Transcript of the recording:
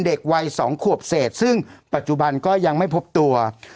เด็กวัย๒ขวบเศษซึ่งปัจจุบันก็ยังไม่พบตัว